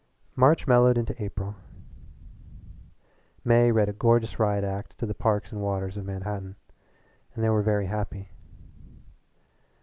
March mellowed into April. May read a gorgeous riot act to the parks and waters of Manhatten, and they were very happy.